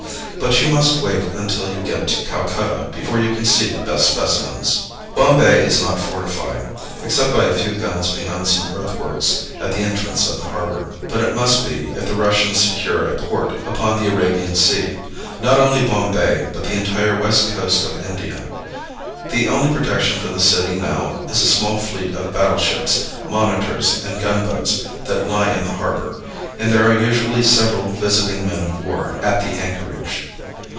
But you must wait until you get to Calcutta before you can see the best specimens. Bombay is not fortified, except by a few guns behind some earthworks at the entrance of the harbor, but it must be if the Russians secure a port upon the Arabian Sea; not only Bombay, but the entire west coast of India. The only protection for the city now is a small fleet of battle ships, monitors and gunboats that lie in the harbor, and there are usually several visiting men of war at the anchorage.